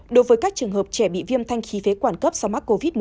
đối với các trường hợp trẻ bị viêm thanh khí phế quản cấp do mắc covid một mươi chín